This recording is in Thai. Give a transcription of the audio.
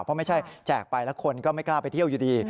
เพราะไม่ใช่แจกไปแล้วคนก็ไม่กล้าไปเที่ยวอยู่ดี